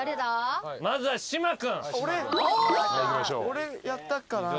俺やったかな？